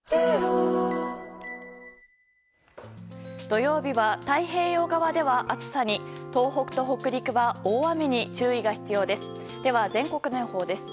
土曜日は太平洋側では暑さに東北と北陸は大雨に注意が必要です。